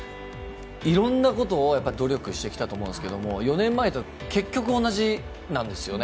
いろんなことを努力してきたと思うんですけど４年前と結局同じなんですよね。